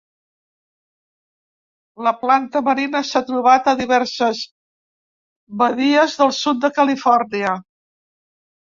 La planta marina s'ha trobat a diverses badies del sud de Califòrnia.